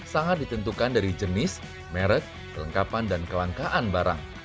sangat ditentukan dari jenis merek kelengkapan dan kelangkaan barang